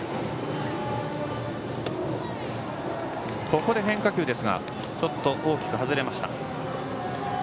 ここで変化球ですが大きく外れました。